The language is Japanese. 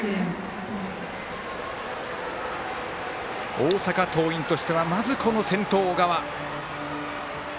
大阪桐蔭としてはまず、この先頭、小川。